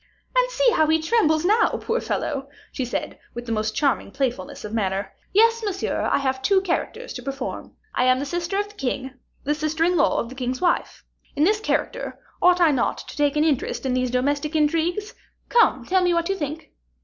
"And see how he trembles now, poor fellow," she said, with the most charming playfulness of manner. "Yes, monsieur, I have two characters to perform. I am the sister of the king, the sister in law of the king's wife. In this character ought I not to take an interest in these domestic intrigues? Come, tell me what you think?"